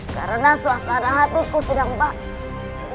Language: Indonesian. karena suasana hatiku sedang baik